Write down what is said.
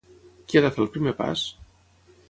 Qui ha de fer el primer pas?